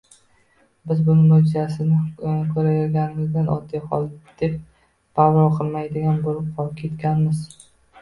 Biz bu moʻjizani ko‘raverganimizdan oddiy hol, deb parvo qilmaydigan bo‘lib ketganmiz.